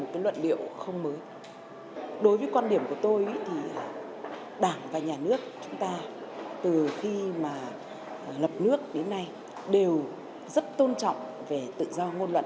từ khi mà lập nước đến nay đều rất tôn trọng về tự do ngôn luận và tự do báo chí